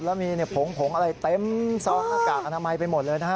แล้วมีผงผงอะไรเต็มซองหน้ากากอนามัยไปหมดเลยนะฮะ